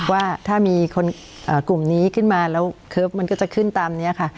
ว่าถ้ามีคนกลุ่มนี้ขึ้นมาแล้วเคิร์ฟมันก็จะขึ้นตามนี้ค่ะ